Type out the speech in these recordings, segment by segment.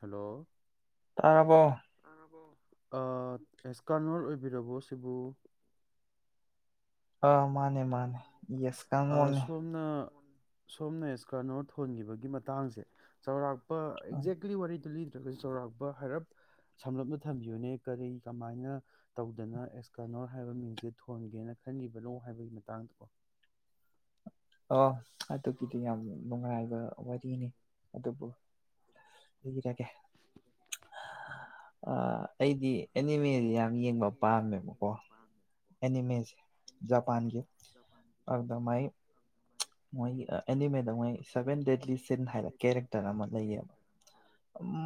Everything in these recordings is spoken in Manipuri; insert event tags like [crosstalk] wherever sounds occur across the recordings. ꯍꯜꯂꯣ ꯇꯥꯔꯕꯣ ꯑꯥ ꯑꯦꯁꯀꯥꯅꯔ ꯑꯣꯏꯕꯤꯔꯕꯣ ꯁꯤꯕꯨ ꯑꯥ ꯃꯥꯅꯦ ꯃꯥꯅꯦ ꯑ, ꯌꯦꯁꯀꯥꯡꯉꯣꯜꯅꯦ ꯁꯣꯝꯅ ꯁꯣꯝꯅ ꯑꯦꯁꯀꯥꯔꯅꯣ ꯊꯣꯟꯈꯤꯕꯒꯤ ꯃꯇꯥꯡꯁꯦ ꯆꯥꯎꯔꯥꯛ ꯑꯦꯛꯖꯦꯛꯂꯤ ꯋꯥꯔꯤꯗꯣ ꯂꯤ ꯆꯥꯎꯧꯔꯥꯛꯄ ꯍꯥꯏꯔꯞ ꯁꯝꯂꯞꯅ ꯊꯝꯕꯤꯌꯨꯅꯦ ꯀꯔꯤ ꯀꯃꯥꯏꯅ ꯇꯧꯗꯅ ꯑꯦꯁꯀꯥꯅꯣꯔ ꯍꯥꯏꯕ ꯃꯤꯡꯁꯦ ꯊꯣꯟꯒꯦꯅ ꯈꯟꯒꯤꯕꯅꯣ ꯍꯥꯏꯕꯒꯤ ꯇꯥꯡꯗꯣ ꯑꯥ ꯑꯗꯨꯒꯤꯗꯤ ꯌꯥꯝ ꯅꯨꯉꯥꯏ ꯋꯥꯔꯤꯅꯤ ꯑꯗꯨꯕꯨ ꯂꯤꯔꯒꯦ ꯑꯥ ꯑꯩꯗꯤ ꯑꯦꯅꯤꯃꯦ ꯌꯥꯝ ꯌꯦꯡꯕ ꯄꯥꯝꯃꯦꯕꯀꯣ ꯑꯦꯅꯤꯃꯦꯁꯦ ꯖꯄꯥꯟꯒꯤ ꯑꯗꯨꯗ ꯃꯥꯏ ꯃꯣꯏ ꯑꯦꯅꯤꯃꯦꯗ ꯃꯣꯏ ꯁꯚꯦꯟ ꯗꯦꯠꯂꯤ ꯁꯤꯟ ꯍꯥꯏꯅ ꯀꯦꯔꯦꯛꯇꯔ ꯑꯃ ꯂꯩꯌꯦꯕ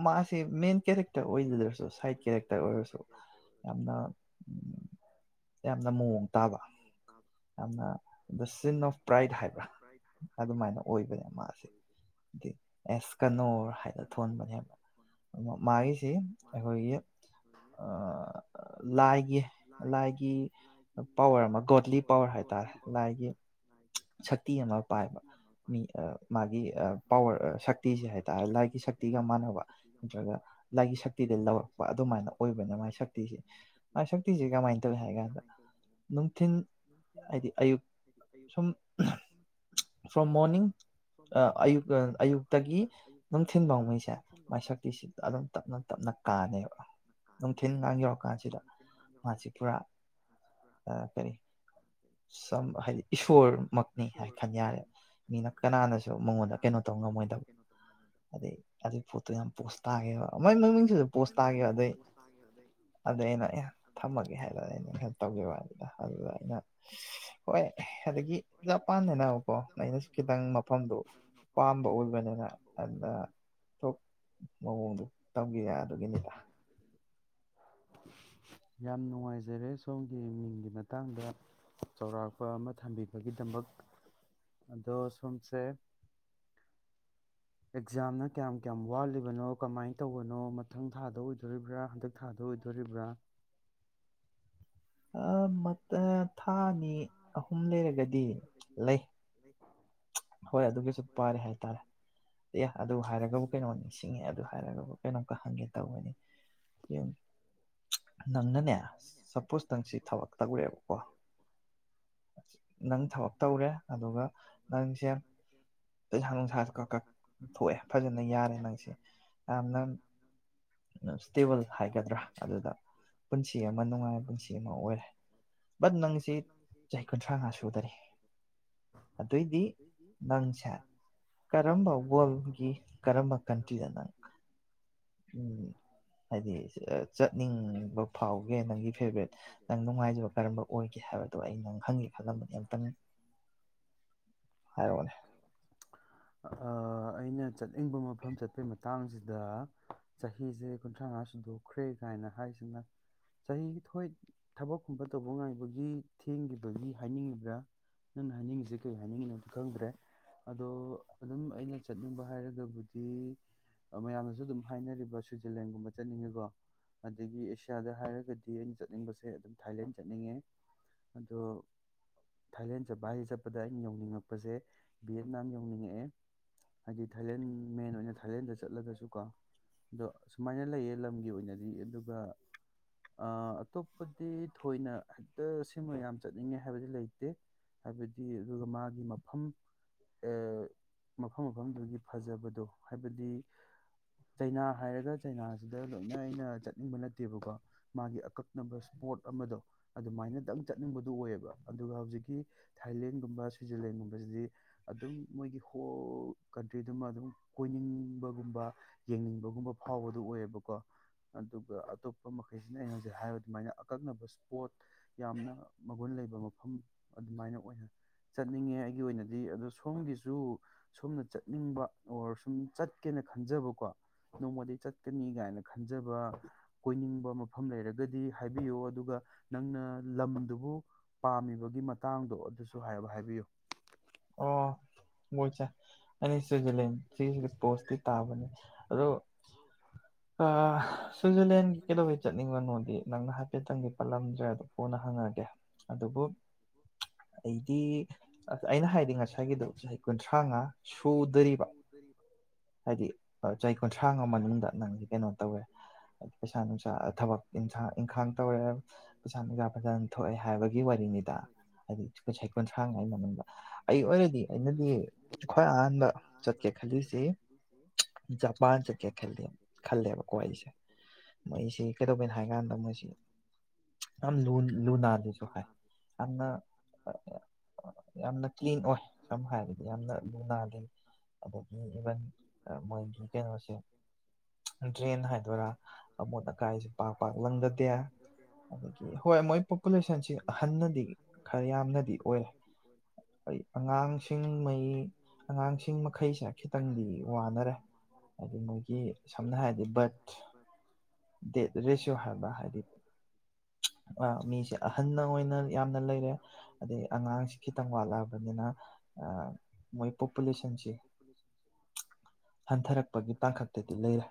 ꯃꯥꯁꯤ ꯃꯦꯟ ꯀꯦꯔꯦꯛꯇꯔ ꯑꯣꯏꯖꯗ꯭ꯔꯁꯨ ꯁꯥꯏꯠ ꯀꯦꯔꯦꯛꯇꯔ ꯑꯣꯏꯔꯁꯨ ꯌꯥꯝꯅ ꯌꯥꯝꯅ ꯃꯑꯣꯡ ꯇꯥꯕ ꯌꯥꯝꯅ ꯗ ꯁꯤꯟ ꯑꯣꯐ ꯄ꯭ꯔꯥꯏꯠ ꯍꯥꯏꯕ꯭ꯔꯥ ꯑꯗꯨꯃꯥꯏꯅ ꯃꯥꯁꯦ ꯑꯦꯁ ꯀꯅꯣꯔ ꯍꯥꯏꯅ ꯊꯣꯟꯕꯅꯦꯕ ꯃꯥꯒꯤꯁꯤ ꯑꯩꯈꯣꯏꯒꯤ ꯂꯥꯏꯒꯤ ꯂꯥꯏꯒꯤ ꯄꯋꯔ ꯑꯃ ꯒꯣꯗꯂꯤ ꯄꯋꯔ ꯍꯥꯏꯇꯥꯔꯦ ꯂꯥꯏꯒꯤ ꯑꯃ ꯄꯥꯏꯕ ꯃꯤ ꯃꯥꯒꯤ ꯄꯋꯥꯔ ꯁꯛꯇꯤꯁꯦ ꯍꯥꯏꯇꯥꯔꯦ ꯂꯥꯏꯒꯤ ꯁꯛꯇꯤꯒ ꯃꯥꯟꯅꯕ ꯅꯠꯇ꯭ꯔꯒ ꯂꯥꯏꯒꯤ ꯁꯛꯇꯤꯗ ꯂꯧꯔꯛꯄ ꯑꯗꯨꯃꯥꯏꯅ ꯑꯣꯏꯕꯅꯤ ꯃꯥꯥꯏ ꯁꯛꯇꯤꯁꯦ ꯃꯥꯥꯏ ꯁꯛꯇꯤꯁꯦ ꯀꯃꯥꯏꯅ ꯇꯧꯏ ꯍꯥꯏ ꯀꯥꯟꯗ ꯅꯨꯡꯊꯤꯟ ꯍꯥꯏꯗꯤ ꯑꯌꯨꯛ ꯁꯨꯝ ꯐ꯭ꯔꯣꯝ ꯃꯣꯔꯅꯤꯡ ꯑꯌꯨꯛ ꯑꯌꯨꯛꯇꯒꯤ ꯅꯨꯡꯊꯤꯟꯐꯥꯎꯃꯩꯁꯦ ꯃꯥꯏ ꯁꯛꯇꯤꯁꯤꯗ ꯑꯗꯨꯝ ꯇꯞꯅ ꯇꯞꯅ ꯀꯥꯅꯦꯕ ꯅꯨꯡꯊꯤꯟꯒꯥꯡ ꯌꯧꯔꯀꯥꯟꯁꯤꯗ ꯃꯥꯁꯤ ꯄꯨꯔꯥ ꯀꯔꯤ ꯁꯝ ꯍꯥꯏꯗꯤ ꯏꯁꯣꯔꯃꯛꯅꯤ ꯍꯥꯏ ꯈꯟꯌꯥꯔꯦ ꯃꯤꯅ ꯀꯅꯥꯅꯁꯨ ꯃꯉꯣꯟꯗ ꯀꯩꯅꯣ ꯇꯧꯕ ꯉꯝꯃꯣꯏꯗꯕ ꯑꯗꯩ ꯑꯗꯨꯒꯤ ꯄꯣꯠꯇꯣ ꯌꯥꯝ ꯄꯣꯁ ꯇꯥꯒꯤꯕ ꯃꯣꯏ ꯃꯃꯤꯡꯁꯤꯁꯨ ꯄꯣꯁ ꯇꯥꯒꯤꯕ ꯑꯗꯨꯗꯩ ꯑꯗꯨꯗꯩ ꯑꯩꯅ ꯊꯝꯃꯒꯦ ꯍꯥꯏꯔ ꯑꯩꯅꯩꯅ ꯇꯧꯒꯤꯕ ꯑꯗꯨꯗ ꯑꯗꯨꯗ ꯑꯩꯅ ꯍꯣꯏ ꯑꯗꯒꯤ ꯖꯄꯥꯟꯗ ꯀꯣ ꯑꯩꯅꯁꯨ ꯈꯤꯇꯪ ꯃꯐꯝꯗꯨ ꯄꯥꯝꯕ ꯑꯣꯏꯕꯅꯤꯅ ꯑꯗꯨꯗ ꯃꯑꯣꯡꯗꯨ ꯇꯧꯒꯤ ꯑꯗꯨꯒꯤꯅꯤꯗ ꯌꯥꯝ ꯅꯨꯡꯉꯥꯏꯖꯔꯦ ꯁꯣꯝꯒꯤ ꯃꯤꯡꯒꯤ ꯃꯇꯥꯡꯗ ꯆꯥꯎꯔꯥꯛꯄ ꯑꯃ ꯊꯝꯕꯤꯕꯒꯤꯗꯃꯛ ꯑꯗꯣ ꯁꯣꯝꯁꯦ ꯑꯦꯛꯖꯥꯝꯅ ꯀꯌꯥꯝ ꯀꯌꯥꯝ ꯋꯥꯠꯂꯤꯕꯅꯣ ꯀꯃꯥꯏꯅ ꯇꯧꯕꯅꯣ ꯃꯊꯪ ꯊꯥꯗ ꯑꯣꯏꯗꯣꯔꯤꯕ꯭ꯔꯥ ꯍꯟꯗꯛ ꯊꯥꯗ ꯑꯣꯏꯗꯣꯔꯤꯕ꯭ꯔꯥ ꯑꯥ ꯊꯥ ꯑꯅꯤ ꯑꯍꯨꯝ ꯂꯩꯔꯒꯗꯤ ꯂꯩ ꯍꯣꯏ ꯑꯗꯨꯒꯤꯁꯨ ꯄꯥꯏꯔꯤ ꯍꯥꯏꯇꯥꯔꯦ꯫ ꯑꯦ ꯑꯗꯨ ꯍꯥꯏꯔꯒꯕꯨ ꯀꯩꯅꯣ ꯅꯤꯡꯁꯤꯡꯉꯦ ꯑꯗꯨ ꯍꯥꯏꯔꯒꯕꯨ ꯀꯩꯅꯣꯝꯇ ꯍꯪꯒꯦ ꯇꯧꯕꯅꯤ ꯌꯦ ꯅꯪꯅꯅꯦ ꯁꯄꯣꯁ ꯅꯪꯆꯁꯤ ꯊꯕꯛ ꯇꯧꯔꯦꯕꯀꯣ ꯅꯪ ꯊꯕꯛ ꯇꯧꯔꯦ ꯑꯗꯨꯒ ꯅꯪꯁꯦ ꯄꯩꯁꯥ ꯅꯨꯡꯁꯥ ꯀꯛ ꯀꯛ ꯊꯣꯛꯑꯦ ꯐꯖꯅ ꯌꯥꯔꯦ ꯅꯪꯁꯦ ꯌꯥꯝꯅ ꯏꯁꯇꯦꯕꯜ ꯍꯥꯏꯒꯗ꯭ꯔꯥ ꯑꯗꯨꯗ ꯄꯨꯟꯁꯤ ꯑꯃ ꯅꯨꯡꯉꯥꯏꯕ ꯄꯨꯟꯁꯤ ꯑꯃ ꯑꯣꯏꯔꯦ ꯕꯠ ꯅꯪꯁꯤ [unintelligible] ꯑꯗꯨꯗꯤ ꯆꯍꯤ ꯀꯨꯟꯊ꯭ꯔꯥꯉꯥ ꯁꯨꯗꯔꯤ ꯑꯗꯨꯏꯗꯤ ꯅꯪꯁꯦ ꯀꯔꯝꯕ ꯋꯥꯔꯜꯒꯤ ꯀꯔꯝꯕ ꯀꯟꯇ꯭ꯔꯤꯗ ꯅꯪ ꯒꯣꯟꯇ꯭ꯣ ꯎꯝ ꯍꯥꯏꯗꯤ ꯆꯠꯅꯤꯡꯕ ꯐꯥꯎꯒꯦ ꯅꯪꯒꯤ ꯐꯦꯚꯣꯔꯥꯏꯠ ꯅꯪ ꯅꯨꯡꯉꯥꯏꯖꯕ ꯀꯔꯝꯕ ꯑꯣꯏꯒꯦ ꯍꯥꯏꯕꯗꯣ ꯑꯩ ꯅꯪ ꯈꯪꯒꯦ ꯈꯜꯂꯝꯕꯅꯦ ꯑꯝꯇꯪꯅꯤ ꯍꯥꯏꯔꯛꯑꯣꯅꯦ ꯑꯥ, ꯑꯩꯅ ꯆꯠꯅꯤꯡꯕ ꯃꯐꯝ ꯆꯠꯄꯩ ꯃꯇꯥꯡꯁꯤꯗ ꯆꯍꯤꯁꯦ ꯀꯨꯟꯊ꯭ꯔꯥ ꯃꯉꯥ ꯁꯨꯗꯣꯛꯈ꯭ꯔꯦ ꯀꯥꯏꯅ ꯍꯥꯏꯁꯤꯅ ꯆꯍꯤꯊꯣꯏ ꯊꯕꯛꯀꯨꯝꯕ ꯇꯧꯕ ꯉꯥꯏꯕꯒꯤ ꯊꯦꯡꯈꯤꯕꯒꯤ ꯍꯥꯏꯅꯤꯡꯉꯤꯕ꯭ꯔꯥ ꯅꯪꯅ ꯍꯥꯏꯅꯤꯡꯉꯁꯤ ꯀꯩ ꯍꯥꯏꯅꯤꯡꯉꯤꯅꯣꯁꯨ ꯈꯪꯗ꯭ꯔꯦ ꯑꯗꯣ ꯑꯗꯨꯝ ꯑꯩꯅ ꯆꯠꯅꯤꯡꯕ ꯍꯥꯏꯔꯒꯕꯨꯗꯤ ꯃꯌꯥꯝꯅꯁꯨ ꯑꯗꯨꯝ ꯍꯥꯏꯅꯔꯤꯕ ꯁ꯭ꯋꯤꯖꯔꯂꯦꯟꯒꯨꯝꯕ ꯆꯠꯅꯤꯡꯉꯤꯀꯣ ꯑꯗꯒꯤ ꯑꯦꯁꯤꯌꯥꯗ ꯍꯥꯏꯔꯒꯗꯤ ꯑꯩꯅ ꯆꯠꯅꯤꯡꯕꯁꯦ ꯁꯦ ꯑꯗꯨꯝ ꯊꯥꯏꯂꯦꯟ ꯆꯠꯅꯤꯡꯉꯦ ꯑꯗꯣ ꯊꯥꯏꯂꯦꯟ ꯚꯁ ꯆꯠꯄꯗ ꯑꯩꯅ ꯌꯧꯅꯤꯡꯉꯛꯄꯁꯦ ꯚꯤꯌꯦꯠꯅꯥꯝ ꯌꯧꯅꯤꯡꯉꯛꯑꯦ ꯍꯥꯏꯗꯤ ꯊꯥꯏꯂꯦꯟ ꯃꯦꯟ ꯑꯣꯏꯅ ꯊꯥꯏꯂꯦꯟꯗ ꯆꯠꯂꯒꯁꯨꯀꯣ ꯑꯗꯣ ꯁꯨꯃꯥꯏꯅ ꯂꯩꯌꯦ ꯂꯝꯒꯤ ꯑꯣꯏꯅꯗꯤ ꯑꯗꯨꯒ ꯑꯇꯣꯞꯄ꯫ ꯗꯤ ꯊꯣꯏꯅ ꯍꯦꯛꯇ ꯁꯤꯃ ꯌꯥꯝ ꯆꯠꯅꯤꯡꯉꯦ ꯍꯥꯏꯕꯗꯤ ꯂꯩꯇꯦ ꯍꯥꯏꯕꯗꯤ ꯑꯗꯨꯒ ꯃꯥꯒꯤ ꯃꯐꯝ ꯃꯐꯝ ꯃꯐꯝꯗꯨꯒꯤ ꯐꯖꯕꯗꯣ ꯍꯥꯏꯕꯗꯤ ꯆꯩꯅꯥ ꯍꯥꯏꯔꯒ ꯆꯩꯅꯥꯁꯤꯗ ꯂꯣꯏꯅ ꯑꯩꯅ ꯆꯠꯅꯤꯡꯕ ꯅꯠꯇꯦꯕꯀꯣ ꯃꯥꯒꯤ ꯅꯝꯕ ꯁ꯭ꯄꯣꯠ ꯑꯃꯗꯣ ꯑꯗꯨꯃꯥꯏꯅꯗꯪ ꯆꯠꯅꯤꯡꯕꯗꯨ ꯑꯣꯏꯌꯦꯕ ꯑꯗꯨꯒ ꯍꯧꯖꯤꯛꯀꯤ ꯊꯥꯏꯂꯦꯟꯒꯨꯝꯕ ꯁ꯭ꯋꯤꯖꯔꯂꯦꯟꯒꯨꯝꯕꯁꯤꯗꯤ ꯑꯗꯨꯝ ꯃꯣꯏꯒꯤ ꯍꯣꯜ ꯀꯟꯇ꯭ꯔꯤꯗꯨꯃ ꯑꯗꯨꯝ ꯀꯣꯏꯅꯤꯡꯕꯒꯨꯝꯕ ꯌꯦꯡꯅꯤꯡꯕꯒꯨꯝꯕ ꯐꯥꯎꯕꯗꯨ ꯑꯣꯏꯌꯦꯕꯀꯣ ꯑꯗꯨꯒ ꯑꯇꯣꯞꯄ ꯃꯈꯩꯁꯤꯅ ꯑꯩꯅ ꯍꯧꯖꯤꯛ ꯍꯥꯏ ꯁꯃꯥꯏꯅ ꯑꯀꯛꯅꯕ ꯏꯁꯄꯣꯠ ꯌꯥꯝꯅ ꯃꯒꯨꯟ ꯂꯩꯕ ꯃꯐꯝ ꯑꯗꯨꯃꯥꯏꯅ ꯑꯣꯏꯅ ꯆꯠꯅꯤꯡꯉꯦ ꯑꯩꯒꯤ ꯑꯣꯏꯅꯗꯤ ꯑꯗꯣ ꯁꯣꯝꯒꯤꯁꯨ ꯁꯣꯝꯅ ꯆꯠꯅꯤꯡꯕ ꯑꯣꯔ ꯁꯨꯝ ꯆꯠꯀꯦꯅ ꯈꯟꯖꯕꯀꯣ ꯅꯣꯡꯃꯗꯤ ꯆꯠꯀꯅꯤ ꯀꯥꯏꯅ ꯈꯟꯖꯕ ꯀꯣꯏꯅꯤꯡꯕ ꯃꯐꯝ ꯂꯩꯔꯒꯗꯤ ꯍꯥꯏꯕꯤꯌꯨ ꯑꯗꯨꯒ ꯅꯪꯅ ꯂꯝꯗꯨꯕꯨ ꯄꯥꯝꯃꯤꯕꯒꯤ ꯃꯇꯥꯡꯗꯣ ꯑꯗꯨꯁꯨ ꯍꯥꯏ ꯍꯥꯏꯕꯤꯌꯨ꯫ ꯑꯣ ꯃꯣꯏꯁꯦ ꯑꯩꯅ ꯁ꯭ꯋꯤꯖꯔꯂꯦꯟ ꯁꯤꯁꯤ ꯄꯣꯁꯇꯤ ꯇꯥꯕꯅꯦ ꯑꯗꯣ ꯁ꯭ꯋꯤꯖꯔꯂꯦꯟꯒꯤ ꯀꯩꯗꯧꯕꯩ ꯆꯅꯤꯡꯕꯅꯣꯗꯤ ꯅꯪꯅ ꯍꯥꯏꯐꯦꯠꯇꯪꯒꯤ ꯄꯜꯂꯝꯗ꯭ꯔꯦ ꯑꯗꯣ ꯀꯣꯟꯅ ꯍꯪꯉꯒꯦ ꯑꯗꯨꯕꯨ ꯑꯩꯗꯤ ꯑꯩꯅ ꯍꯥꯏ ꯍꯥꯏꯗꯤ ꯉꯁꯥꯏꯒꯤꯗꯨꯣ ꯆꯍꯤ ꯀꯨꯟꯊ꯭ꯔꯥꯉꯥ ꯁꯨꯗꯔꯤꯕ ꯍꯥꯏꯗꯤ ꯆꯍꯤ ꯀꯨꯟꯊ꯭ꯔꯥꯉꯥ ꯃꯅꯨꯡꯗ ꯅꯪꯗꯤ ꯀꯩꯅꯣ ꯇꯧꯋꯦ ꯍꯥꯏꯗꯤ ꯄꯩꯁꯥ ꯅꯨꯡꯁꯥ ꯊꯕꯛꯥꯡ ꯏꯪꯈꯥꯡ ꯇꯧꯔꯦ ꯄꯩꯁꯥ ꯅꯨꯡꯁꯥ ꯐꯖꯅ ꯊꯣꯛꯑꯦ ꯍꯥꯏꯕꯒꯤ ꯋꯥꯔꯤꯅꯤꯗ ꯍꯥꯏꯗꯤ ꯆꯍꯤ ꯀꯨꯟꯊ꯭ꯔꯥꯉꯥꯒꯤ ꯃꯃꯟꯗ ꯑꯩ ꯑꯣꯏꯔꯗꯤ ꯑꯩꯅꯗꯤ ꯈ꯭ꯋꯥꯏ ꯑꯍꯥꯟꯕ ꯆꯠꯀꯦ ꯈꯜꯂꯤꯁꯤ ꯖꯄꯥꯟ ꯆꯠꯀꯦ ꯈꯜꯂꯤ ꯈꯜꯂꯦꯕꯀꯣ ꯑꯩꯁꯦ ꯃꯣꯏꯁꯤ ꯀꯩꯗꯧꯒꯦꯅ ꯍꯥꯏ ꯀꯥꯟꯗ ꯃꯣꯏꯁꯤ ꯌꯥꯝ ꯂꯨ ꯅꯥꯂꯦꯁꯨ ꯍꯥꯏ ꯌꯥꯝꯅ ꯌꯥꯝ꯫ ꯀ꯭ꯂꯤꯟ ꯑꯣꯏ ꯁꯝꯅ ꯍꯥꯏꯔꯒꯗꯤ ꯌꯥꯝꯅ ꯂꯨ ꯅꯥꯜꯂꯤ ꯑꯗꯒꯤ ꯏꯚꯟ ꯃꯣꯏꯒꯤ ꯀꯩꯅꯣꯁꯦ ꯗ꯭ꯔꯦꯟ ꯍꯥꯏꯗꯣꯏꯔꯥ ꯑꯃꯣꯠ ꯑꯀꯥꯏꯁꯦ ꯄꯥꯛ ꯄꯥꯛ ꯂꯪꯒꯗꯦ ꯑꯗꯒꯤ ꯍꯣꯏ ꯃꯣꯏ ꯄꯣꯄꯨꯂꯦꯁꯟꯁꯤ ꯑꯍꯟꯅꯗꯤ ꯈꯔ ꯌꯥꯝꯅꯗꯤ ꯑꯣꯏ ꯑꯩ ꯑꯉꯥꯡꯁꯤꯡ ꯃꯩ ꯑꯉꯥꯡꯁꯤꯡ ꯃꯈꯩꯁꯦ ꯈꯤꯇꯪꯗꯤ ꯋꯥꯅꯔꯦ ꯍꯥꯏꯗꯤ ꯃꯣꯏꯒꯤ ꯁꯝꯅ ꯍꯥꯏꯔꯗꯤ ꯕꯔꯠ ꯗꯦꯠ ꯔꯦꯁꯤꯌꯣ ꯍꯥꯏꯕ ꯍꯥꯏꯗꯤ ꯃꯤꯁꯦ ꯑꯍꯟꯅ ꯑꯣꯏꯅ ꯌꯥꯝꯅ ꯂꯩꯔꯦ ꯑꯗꯩ ꯑꯉꯥꯡꯁꯤ ꯈꯤꯇꯪ ꯋꯥꯠꯂꯛꯑꯕꯅꯤꯅ ꯃꯣꯏ ꯄꯣꯄꯨꯂꯦꯁꯟꯁꯤ ꯍꯟꯊꯔꯛꯄꯒꯤ ꯇꯥꯡꯀꯛꯇꯗꯤ ꯂꯩꯔꯦ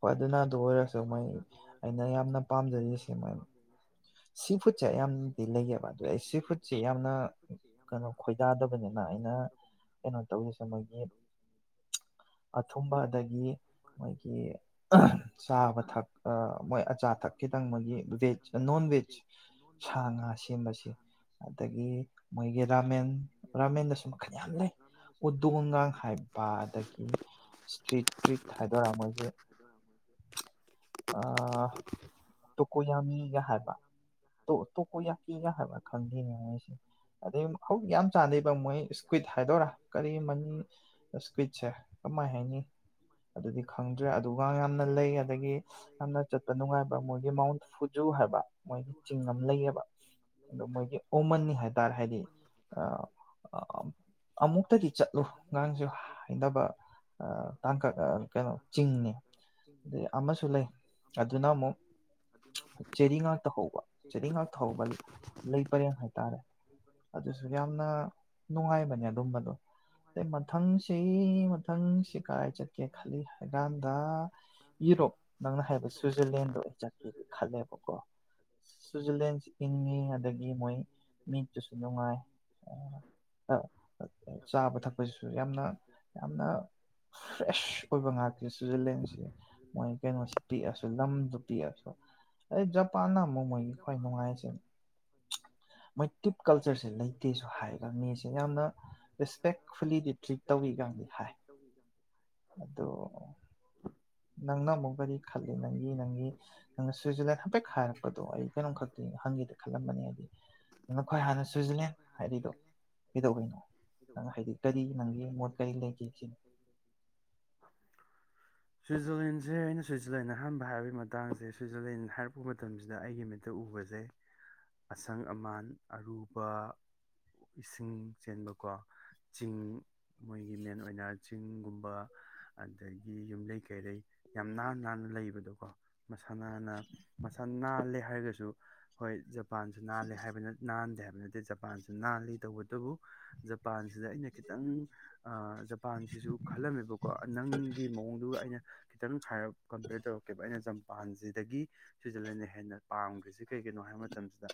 ꯍꯣꯏ ꯑꯗꯨꯅ ꯑꯗꯨ ꯑꯣꯏꯔꯁꯨ ꯃꯣꯏ ꯑꯩꯅ ꯌꯥꯝꯅ ꯄꯥꯝꯖꯔꯤꯁꯦ ꯃꯣꯏ ꯁꯤ ꯐꯨꯗꯁꯦ ꯑꯌꯥꯝꯅꯗꯤ ꯂꯩꯌꯦꯕ ꯑꯗꯨꯗꯤ ꯑꯩ ꯁꯤ ꯐꯨꯗꯁꯦ ꯌꯥꯝꯅ ꯈꯣꯏꯗꯥꯗꯕꯅꯤꯅ ꯑꯩꯅ ꯀꯩꯅꯣ ꯇꯧꯔꯤꯁꯦ ꯃꯣꯏꯒꯤ ꯑꯊꯨꯝꯕ ꯑꯗꯒꯤ ꯃꯣꯏꯒꯤ ꯆꯥꯕ ꯊꯛ ꯃꯣꯏ ꯑꯆꯥꯊꯛ ꯈꯤꯇꯪ ꯃꯣꯏꯒꯤ ꯚꯦꯖ ꯅꯣꯟ ꯚꯦꯖ ꯁꯥ ꯉꯥ ꯁꯦꯝꯕꯁꯦ ꯑꯗꯒꯤ ꯃꯣꯏꯒꯤ ꯔꯥꯃꯦꯟ ꯔꯥꯃꯦꯟꯗꯁꯨ ꯃꯈꯜ ꯌꯥꯝ ꯂꯩ ꯎꯗꯣꯡꯒꯥꯡ ꯍꯥꯏꯕ ꯑꯗꯒꯤ ꯏꯁꯇ꯭ꯔꯤꯠ ꯇ꯭ꯔꯤꯠ ꯍꯥꯏꯗꯣꯏꯔꯥ ꯃꯣꯏꯁꯦ ꯇꯣꯀꯣ ꯌꯥꯃꯤꯒ ꯍꯥꯏꯕ ꯇꯣꯀꯣ ꯌꯥꯀꯤꯒ ꯍꯥꯏꯕ ꯈꯪꯗꯦꯅꯦ ꯃꯣꯏꯁꯦ ꯑꯗꯩ ꯍꯧꯖꯤꯛ ꯌꯥꯝ ꯆꯥꯟꯅꯩꯕ ꯃꯣꯏ ꯏꯁꯀ꯭ꯋꯤꯠ ꯍꯥꯏꯗꯣꯏꯔꯥ ꯀꯔꯤ ꯑꯃꯅꯤ ꯏꯁꯀ꯭ꯋꯤꯠꯁꯦ ꯀꯃꯥꯏ ꯍꯥꯏꯅꯤ ꯑꯗꯨꯗꯤ ꯈꯪꯗ꯭ꯔꯦ ꯑꯗꯨꯒꯒ ꯌꯥꯝꯅ ꯂꯩ ꯑꯗꯒꯤ ꯌꯥꯝꯅ ꯆꯠꯄ ꯅꯨꯡꯉꯥꯏꯕ ꯃꯣꯏꯒꯤ ꯃꯥꯎꯟ ꯐꯨꯖꯨ ꯍꯥꯏꯕ ꯃꯣꯏꯒꯤ ꯆꯤꯡ ꯑꯃ ꯂꯩꯌꯦꯕ ꯑꯗꯣ ꯃꯣꯏꯒꯤ ꯑꯣꯃꯟꯅꯤ ꯍꯥꯏ ꯇꯔꯦ ꯍꯥꯏꯗꯤ ꯑꯃꯨꯛꯇꯗꯤ ꯆꯠꯂꯨ ꯑꯉꯥꯡꯁꯨ ꯍꯩꯅꯕ ꯇꯥꯡꯀꯛ ꯀꯩꯅꯣ ꯆꯤꯡꯅꯤ ꯑꯗꯩ ꯑꯃꯁ ꯑꯗꯨꯅ ꯑꯃꯨꯛ ꯆꯦꯔꯤ ꯉꯥꯛꯇ ꯍꯧꯕ ꯆꯦꯔꯤ ꯉꯥꯛꯇ ꯍꯧꯕ ꯂꯩ ꯄꯔꯦꯡ ꯍꯥꯏꯇꯥꯔꯦ ꯑꯗꯨ ꯁꯌꯥꯝꯅ ꯅꯨꯡꯉꯥꯏꯕꯅꯦ ꯑꯗꯨꯝꯕꯗꯣ ꯑꯗꯩ ꯃꯊꯪꯁꯤ ꯃꯊꯪꯁꯤ ꯀꯥꯏ ꯆꯠꯀꯦ ꯈꯜꯂꯤ ꯍꯥꯏ ꯀꯥꯟꯗ ꯌꯨꯔꯣꯞ ꯅꯪꯅ ꯍꯥꯏꯕ ꯁ꯭ꯋꯤꯖꯔꯂꯦꯟꯗꯣ ꯑꯩ ꯆꯠꯀ‌‌ꯦꯗꯤ ꯈꯜꯂꯦꯕꯀꯣ ꯁ꯭ꯋꯤꯖꯔꯂꯦꯟꯁꯦ ꯏꯟꯉꯤ ꯑꯗꯒꯤ ꯃꯣꯏ ꯃꯤꯠꯇꯨꯁꯨ ꯅꯨꯡ ꯆꯥꯕ ꯊꯛꯄꯁꯤꯁꯨ ꯌꯥꯝꯅ ꯌꯥꯝꯅ ꯐ꯭ꯔꯦꯁ ꯑꯣꯏꯕ ꯉꯥꯛꯇꯥ ꯁ꯭ꯋꯤꯖꯔꯂꯦꯟꯁꯦ ꯃꯣꯏ ꯃ‌ꯣꯏꯁꯤ ꯄꯤꯛꯑꯁꯨ ꯂꯝꯗꯨ ꯄꯤꯛꯑꯁꯨ ꯑꯗꯩ ꯖꯄꯥꯟꯅ ꯑꯃꯨꯛ ꯃꯣꯏꯒꯤ ꯈ꯭ꯋꯥꯏ ꯅꯨꯡꯉꯥꯏꯁꯦ ꯃꯣꯏ ꯇꯤꯞ ꯀꯜꯆꯔꯁ ꯃꯤꯁꯤ ꯌꯥꯝꯅ ꯔꯦꯁꯄꯦꯛꯐꯨꯜꯂꯤꯗꯤ ꯇ꯭ꯔꯤꯠ ꯇꯧꯏꯒꯗꯤ ꯔꯦꯁꯄ‌ꯦꯛꯐꯨꯜ‌ꯗ ꯍꯥꯏ ꯇꯔꯤꯠ ꯇꯧꯕꯤ ꯑꯗꯣ ꯅꯪꯅ ꯑꯃꯨꯛꯀꯗꯤ ꯈꯜꯂꯤꯦ ꯅꯪꯒꯤ ꯅꯪꯒꯤ ꯅꯪꯅ ꯁ꯭ꯋꯤꯖ꯭ꯔꯂꯦꯟ ꯍꯥꯏꯐꯦꯠ ꯍꯥꯏꯔꯛꯄꯗꯣ ꯑꯩ ꯀꯩꯅꯣꯝ ꯈꯛꯇꯤ ꯍꯪꯒꯦꯗ ꯈꯜꯂꯝꯕꯅꯤ ꯍꯥꯏꯗꯤ ꯅꯪꯅ ꯈ꯭ꯋꯥꯏ ꯍꯥꯟꯅ ꯁ꯭ꯋꯤꯖꯔꯂꯦꯟ ꯃꯈꯣꯏ ꯍꯥꯟꯅ ꯍꯥꯏꯔꯤꯗꯣ ꯁꯨꯖꯤꯜꯂꯦ ꯀꯩꯗꯧꯕꯩꯅꯣ ꯅꯪ ꯑꯗꯨꯗꯩꯗꯅꯤ ꯍꯥꯏꯗꯤ ꯀꯔꯤ ꯅꯪꯒꯤ ꯃꯣꯠ ꯀꯔꯤ ꯂꯩꯒꯦ ꯁꯤꯅꯤ ꯁ꯭ꯋꯤꯖꯔꯂꯦꯟꯁꯦ ꯑꯩꯅ ꯁ꯭ꯋꯤꯖꯔꯂꯦꯟꯗ ꯑꯍꯥꯟꯕ ꯍꯥꯏꯕꯒꯤ ꯃꯇꯥꯡꯁꯦ ꯁ꯭ꯋꯤꯖꯔꯂꯦꯟ ꯍꯥꯏꯔꯛꯄ ꯃꯇꯝꯁꯤꯗ ꯑꯩꯒꯤ ꯃꯤꯠꯇ ꯎꯕꯁꯦ ꯑꯁꯪ ꯑꯃꯥꯟ ꯑꯔꯨ ꯏꯁꯤꯡ ꯆꯦꯟꯕꯀꯣ ꯆꯤꯡ ꯃꯣꯏꯒꯤ ꯃꯦꯟ ꯑꯣꯏꯅ ꯆꯤꯡꯒꯨꯝꯕ ꯑꯗꯒꯤ ꯌꯨꯝꯂꯩ ꯀꯩꯔꯩ ꯌꯥꯝ ꯅꯥꯟꯅ ꯅꯥꯟꯅ ꯂꯩꯕꯗꯣꯀꯣ ꯃꯁꯥ ꯅꯥꯟꯅ ꯃꯁꯥ ꯅꯥꯜꯂꯦ ꯍꯥꯏꯔꯒꯁꯨ ꯍꯣꯏ ꯖꯄꯥꯟꯁꯨ ꯅꯥꯜꯂꯦ ꯍꯥꯏꯕꯅ ꯅꯥꯟꯗꯦ ꯍꯥꯏꯕ ꯑꯗꯨ ꯅꯠꯇꯦ ꯖꯄꯥꯟꯁꯨ ꯅꯥꯜꯂꯤ ꯇꯧꯕꯇꯕꯨ ꯖꯄꯥꯟꯁꯤꯗ ꯑꯩꯅ ꯈꯤꯇꯪ ꯖꯄꯥꯟꯁꯤꯁꯨ ꯈꯜꯂꯝꯃꯦꯕꯀꯣ ꯅꯪꯒꯤ ꯃꯑꯣꯡꯗꯨꯒ ꯑꯩꯅ ꯈꯤꯇꯪ ꯍꯥꯏꯔꯛ ꯀꯝꯄꯌꯔ ꯇꯧꯔꯛꯀꯦꯕ ꯑꯩꯅ ꯖꯄꯥꯟꯁꯤꯗꯒꯤ ꯁ꯭ꯋꯤꯖꯔꯂꯦꯟꯟꯅ ꯍꯦꯟꯅ ꯄꯥꯝꯈ꯭ꯔꯤꯁꯦ ꯀꯩꯒꯤꯅꯣ ꯍꯥꯏꯕ ꯃꯇꯝꯁꯤꯗ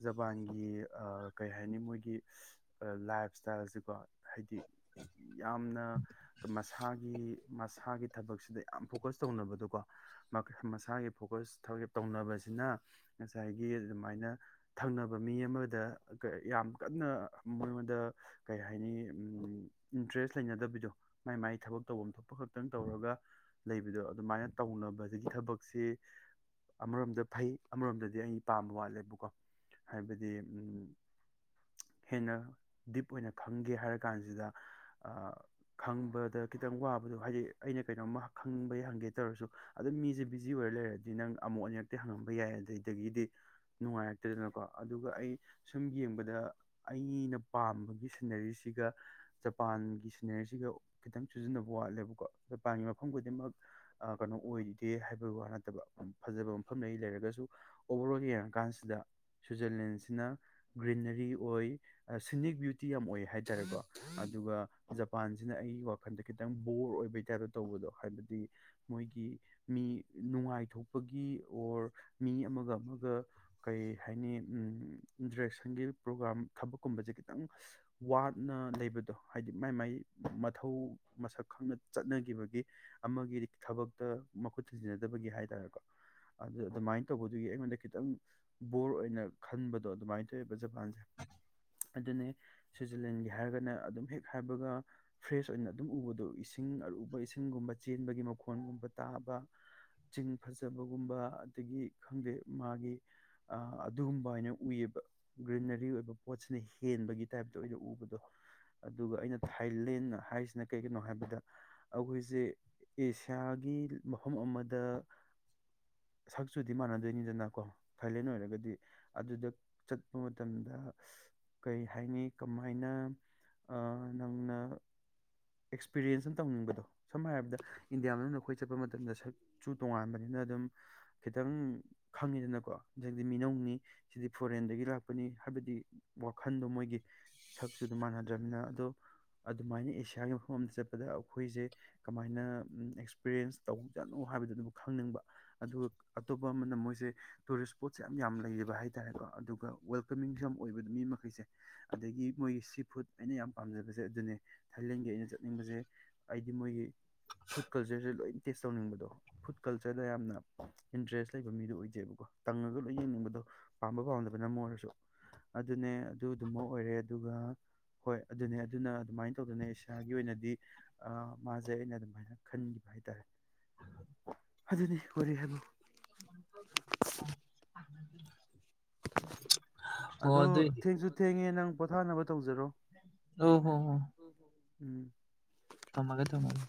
ꯖꯄꯥꯟꯒꯤ ꯑꯥ ꯀꯩ ꯍꯥꯏꯅꯤ ꯃꯣꯏꯒꯤ ꯂꯥꯏꯐ ꯏꯁꯇꯥꯏꯜꯁꯤꯀꯣ ꯍꯥꯏꯗꯤ ꯌꯥꯝꯅ ꯃꯁꯥꯒꯤ ꯃꯁꯥꯒꯤ ꯊꯕꯛꯁꯤꯗ ꯌꯥꯝ ꯐꯣꯀꯁ ꯇꯧꯅꯕꯗꯣꯀꯣ ꯃꯁꯥꯒꯤ ꯐꯣꯀꯁ ꯇꯧꯅꯕꯁꯤꯅ ꯉꯁꯥꯏꯒꯤ ꯑꯗꯨꯃꯥꯏꯅ ꯊꯪꯅꯕ ꯃꯤ ꯑꯃ ꯗ ꯌꯥꯝ ꯀꯟꯅ ꯃꯉꯣꯟꯗ ꯀꯩ ꯍꯥꯏꯅꯤ ꯏꯟꯇ꯭ꯔꯦꯁ ꯂꯩꯅꯗꯕꯤꯗꯣ ꯃꯥꯏ ꯃꯥꯏ ꯊꯕꯛ ꯇꯧꯐꯝ ꯊꯣꯛꯄ ꯈꯛꯇꯪ ꯇꯧꯔꯒ ꯂꯩꯕꯗꯣ ꯑꯗꯨꯃꯥꯏꯅ ꯇꯧꯅꯕꯗꯒꯤ ꯊꯕꯛꯁꯤ ꯑꯃꯔꯣꯝꯗ ꯐꯩ ꯑꯃꯔꯣꯝꯗꯗꯤ ꯑꯩ ꯄꯥꯝꯕ ꯋꯥꯠꯂꯦꯕꯀꯣ ꯍꯥꯏꯕꯗꯤ ꯍꯦꯟꯅ ꯗꯤꯞ ꯑꯣꯏꯅ ꯈꯪꯒꯦ ꯍꯥꯏꯔꯀꯥꯟꯁꯤꯗ ꯈꯪꯕꯗ ꯈꯤꯇꯪ ꯋꯥꯕꯗꯣ ꯍꯥꯏꯗꯤ ꯑꯩꯅ ꯀꯩꯅꯣꯝꯃ ꯈꯪꯕ ꯍꯪꯒꯦ ꯇꯧꯔꯁꯨ ꯑꯗꯨꯗ ꯃꯤꯁꯦ ꯕꯤꯖꯤ ꯑꯣꯏꯔ ꯂꯩꯔꯗꯤ ꯅꯪ ꯑꯃꯨꯛ ꯑꯅꯤꯔꯛꯇꯤ ꯍꯪꯉꯝꯕ ꯌꯥꯏ ꯑꯗꯨꯗꯒꯤꯗꯤ ꯅꯨꯡꯉꯥꯏꯔꯛꯇꯗꯅꯀꯣ ꯑꯗꯨꯒ ꯑꯩ ꯁꯨꯝ ꯌꯦꯡꯕꯗ ꯑꯩꯅ ꯄꯥꯝꯕꯒꯤ ꯁꯤꯅꯔꯤꯁꯤꯒ ꯖꯄꯥꯟꯒꯤ ꯁꯤꯅꯔꯤꯁꯤꯒ ꯈꯤꯇꯪ ꯁꯤꯨꯖꯤꯟꯅꯕ ꯋꯥꯠꯂꯦꯕꯀꯣ ꯖꯄꯥꯟꯒꯤ ꯃꯐꯝ ꯈꯨꯗꯤꯡꯃꯛ ꯀꯩꯅꯣ ꯑꯣꯏꯔꯤꯗꯦ ꯍꯥꯏꯕꯒꯤ ꯋꯥ ꯅꯠꯇꯕ ꯐꯖꯕ ꯃꯐꯝꯗ ꯑꯩ ꯂꯩꯔꯒꯁꯨ ꯑꯣꯕꯔ ꯑꯣꯜ ꯌꯦꯡꯉꯀꯥꯟꯁꯤꯗ ꯁ꯭ꯋꯤꯖꯔꯂꯦꯟꯁꯤꯅ ꯒ꯭ꯔꯤꯅꯔꯤ ꯑꯣꯏ ꯁꯤꯅꯤꯛ ꯕ꯭ꯌꯨꯇꯤ ꯌꯥꯝ ꯑꯣꯏ ꯍꯥꯏꯇꯥꯥꯔꯦꯀꯣ ꯑꯗꯨꯒ ꯖꯄꯥꯟꯁꯤꯅ ꯑꯩ ꯋꯥꯈꯜꯗ ꯈꯤꯇꯪ ꯕꯣꯔ ꯑꯣꯏꯕꯩ ꯇꯥꯏꯞꯇꯣ ꯇꯧꯕꯗꯣ ꯍꯥꯏꯕꯗꯤ ꯃꯣꯏꯒꯤ ꯃꯤ ꯅꯨꯡꯉꯥꯏꯊꯣꯛꯄꯒꯤ ꯑꯣꯔ ꯃꯤ ꯑꯃꯒ ꯑꯃꯒ ꯀꯩ ꯍꯥꯏꯅꯤ ꯏꯟꯇꯔꯦꯛꯁꯟꯒꯤ ꯄ꯭ꯔꯣꯒ꯭ꯔꯥꯝ ꯊꯕꯛꯀꯨꯝꯕꯁꯦ ꯈꯤꯇꯪ ꯋꯥꯠꯅ ꯂꯩꯕꯗꯣ ꯍꯥꯏꯗꯤ ꯃꯥꯏ ꯃꯥꯏ ꯃꯊꯧ ꯃꯁꯛ ꯈꯪꯅ ꯆꯠꯅꯈꯤꯕꯒꯤ ꯑꯃꯒꯤ ꯊꯕꯛꯇ ꯃꯈꯨꯠ ꯊꯤꯟꯖꯤꯟꯅꯗꯕꯒꯤ ꯍꯥꯏꯇꯥꯔꯦꯀꯣ ꯑꯗꯨ ꯑꯗꯨꯃꯥꯏꯅ ꯇꯧꯕꯗꯨꯒꯤ ꯑꯩꯉꯣꯟꯗ ꯈꯤꯇꯪ ꯕꯣꯔ ꯑꯣꯏꯅ ꯈꯟꯕ ꯑꯗꯣ ꯑꯗꯨꯃꯥꯏꯅ ꯇꯧꯋꯦꯕ ꯖꯄꯥꯟꯁꯦ ꯑꯗꯨꯅꯤ ꯁ꯭ꯋꯤꯖꯔꯂꯦꯟꯒꯤ ꯍꯥꯏꯔꯒꯅ ꯑꯗꯨꯝ ꯍꯦꯛ ꯍꯥꯏꯕꯒ ꯐ꯭ꯔꯦꯁ ꯑꯣꯏꯅ ꯑꯗꯨꯝ ꯎꯕꯗꯣ ꯏꯁꯤꯡ ꯑꯔꯨꯕ ꯏꯁꯤꯡꯒꯨꯝꯕ ꯆꯦꯟꯕꯒꯤ ꯃꯈꯣꯟꯒꯨꯝꯕ ꯇꯥꯕ ꯆꯤꯡ ꯐꯖꯕꯒꯨꯝꯕ ꯑꯗꯒꯤ ꯈꯪꯗꯦ ꯃꯥꯒꯤ ꯑꯗꯨꯒꯨꯝꯕ ꯑꯣꯏꯅ ꯎꯏꯌꯦꯕ ꯒ꯭ꯔꯤꯅꯔꯤ ꯑꯣꯏꯕ ꯄꯣꯠꯁꯤꯅ ꯍꯦꯟꯕꯒꯤ ꯇꯥꯏꯞꯇ ꯑꯣꯏꯅ ꯎꯕꯗꯣ ꯑꯗꯨꯒ ꯑꯩꯅ ꯊꯥꯏꯂꯦꯟ ꯍꯥꯏꯔꯤꯁꯤꯅ ꯀꯩꯒꯤꯅꯣ ꯍꯥꯏꯕꯗ ꯑꯩꯈꯣꯏꯁꯦ ꯑꯦꯁꯤꯌꯥꯒꯤ ꯃꯐꯝ ꯑꯃꯗ ꯁꯛ ꯆꯨꯗꯤ ꯃꯥꯟꯅꯗꯣꯏꯅꯤꯗꯅꯀꯣ ꯊꯥꯏꯂꯦꯟ ꯑꯣꯏꯔꯒꯗꯤ ꯑꯗꯨꯗ ꯆꯠꯄ ꯃꯇꯝꯗ ꯀꯩ ꯍꯥꯏꯅꯤ ꯀꯃꯥꯏꯅ ꯅꯪꯅꯥ ꯑꯦꯛꯁꯄꯤꯔꯤꯌꯦꯟꯁ ꯑꯃ ꯇꯧꯅꯤꯡꯕꯗꯣ ꯁꯝꯅ ꯍꯥꯏꯔꯕꯗ ꯏꯟꯗꯤꯌꯥ ꯃꯅꯨꯡꯗ ꯑꯩꯈꯣꯏ ꯆꯠꯄ ꯃꯇꯝꯗ ꯁꯛꯁꯨꯨ ꯇꯣꯉꯥꯟꯕꯅꯤꯅ ꯑꯗꯨꯝ ꯈꯤꯇꯪ ꯈꯪꯉꯤꯗꯅꯀꯣ ꯍꯧꯛꯇꯤ ꯃꯤꯅꯧꯅꯤ ꯁꯤꯗꯤ ꯐꯣꯔꯦꯟꯗꯒꯤ ꯂꯥꯛꯄꯅꯤ ꯍꯥꯏꯕꯗꯤ ꯋꯥꯈꯟꯗꯣ ꯃꯣꯏꯒꯤ ꯁꯛꯁꯨ ꯑꯗꯨꯣ ꯃꯥꯟꯅꯗ꯭ꯔꯅꯤꯅ ꯑꯗꯣ ꯑꯗꯨꯃꯥꯏꯅ ꯑꯦꯁꯤꯌꯥꯒꯤ ꯃꯐꯝ ꯑꯃꯗ ꯆꯠꯄꯗ ꯑꯩꯈꯣꯏꯁꯦ ꯀꯃꯥꯏꯅ ꯑꯦꯛꯁꯄꯤꯔꯤꯌꯦꯟꯁ ꯇꯧꯖꯅꯣ ꯍꯥꯏꯕꯗꯨ ꯑꯗꯨꯕꯨ ꯈꯪꯅꯤꯡꯕ ꯑꯗꯨꯒ ꯑꯇꯣꯞꯄ ꯑꯃꯅ ꯃꯣꯏꯁꯦ ꯇꯨꯔꯤꯁ ꯁ꯭ꯄꯣꯠꯁꯦ ꯌꯥꯝꯅ ꯂꯩ ꯍꯥꯏꯔꯦ ꯍꯥꯏꯇꯥꯔꯦꯀꯣ ꯑꯗꯨꯒ ꯋꯦꯜꯀꯃꯤꯡꯁꯨ ꯌꯥꯝ ꯑꯣꯏꯕꯗꯣ ꯃꯤ ꯃꯈꯩꯁꯦ ꯑꯗꯒꯤ ꯃꯣꯏꯒꯤ ꯁꯤ ꯐꯨꯗ ꯑꯩꯅ ꯌꯥꯝ ꯄꯥꯝꯖꯕꯁꯦ ꯑꯗꯨꯅꯦ ꯊꯥꯏꯂꯦꯟꯒꯤ ꯑꯩꯅ ꯆꯠꯅꯤꯡꯕꯁꯦ ꯍꯥꯏꯗꯤ ꯃꯣꯏꯒꯤ ꯐꯨꯗ ꯀꯜꯆꯔꯁꯦ ꯂꯣꯏ ꯇꯦꯁ ꯇꯧꯅꯤꯡꯕꯗꯣ ꯐꯨꯗ ꯀꯜꯆꯔꯗ ꯌꯥꯝꯅ ꯏꯟꯇꯔꯦꯁ ꯂꯩꯕ ꯃꯤꯗꯣ ꯑꯣꯏꯖꯩꯕꯀꯣ ꯇꯪꯉꯒ ꯂꯣꯏ ꯌꯦꯡꯅꯤꯡꯕꯗꯣ ꯄꯥꯝꯕ ꯄꯥꯝꯗꯕꯅꯝ ꯑꯣꯏꯔꯁꯨ ꯑꯗꯨꯅꯦ ꯑꯗꯨꯗꯨꯃꯥ ꯑꯣꯏꯔꯦ ꯑꯗꯨꯒ ꯍꯣꯏ ꯑꯗꯨꯅꯦ ꯑꯗꯨꯅ ꯑꯗꯨꯃꯥꯏꯅ ꯇꯧꯗꯅ ꯏꯁꯥꯒꯤ ꯑꯣꯏꯅꯗꯤ ꯃꯥꯁꯦ ꯑꯩꯅ ꯑꯗꯨꯃꯥꯏꯅ ꯈꯟꯈꯤꯕ ꯍꯥꯏꯇꯥꯔꯦ ꯑꯗꯨꯅꯦ ꯋꯥꯔꯤ ꯍꯥꯏꯕꯨ [unintelligible] ꯑꯣ ꯑꯗꯣ ꯑꯗꯨꯏꯗꯤ ꯊꯦꯡꯁꯨ ꯊꯦꯡꯉꯦ ꯅꯪ ꯄꯣꯊꯥꯅꯕ ꯇꯧꯖꯔꯣ ꯑꯣ ꯍꯣ ꯍ‌ꯣ ꯎꯝ ꯊꯃꯒ‌ꯦ ꯊꯧꯃꯒ‌ꯦ